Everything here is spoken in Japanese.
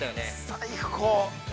◆最高。